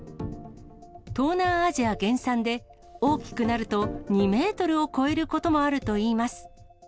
東南アジア原産で、大きくなると２メートルを超えることもあるといいます。